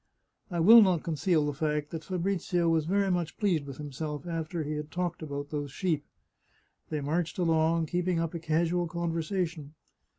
I will not conceal the fact that Fabrizio was very much pleased with himself after he had talked about those sheep. They marched along, keeping up a casual conversation.